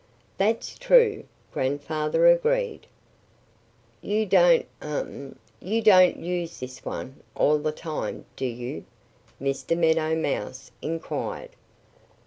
"That's true," Grandfather agreed. "You don't ahem! you don't use this one all the time, do you?" Mr. Meadow Mouse inquired.